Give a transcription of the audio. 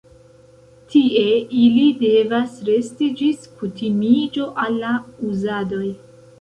Tie ili devas resti ĝis kutimiĝo al la uzadoj.